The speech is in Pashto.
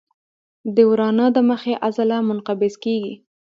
د ورانه د مخې عضله منقبض کېږي.